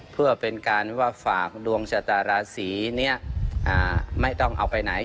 เพื่อเป็นการว่าฝากดวงชะตาราศีนี้ไม่ต้องเอาไปไหน